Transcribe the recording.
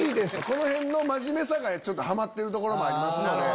このへんの真面目さがはまってるとこもありますので。